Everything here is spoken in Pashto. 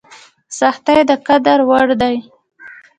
سختۍ د قدر وړ دي.